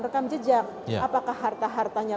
rekam jejak apakah harta hartanya